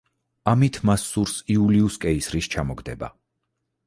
ამით მას სურს იულიუს კეისრის ჩამოგდება.